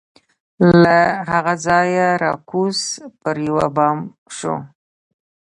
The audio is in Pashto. له هغه ځایه را کوز پر یوه بام سو